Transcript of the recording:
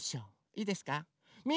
いいですね。